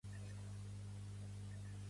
Pertany al moviment independentista la Lisa?